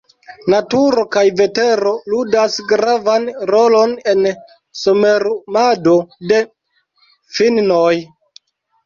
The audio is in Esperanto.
Naturo kaj vetero ludas gravan rolon en somerumado de finnoj.